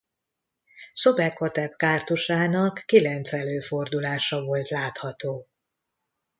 Szobekhotep kártusának kilenc előfordulása volt látható.